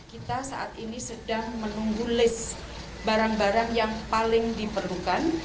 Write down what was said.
kita saat ini sedang menunggu list barang barang yang paling diperlukan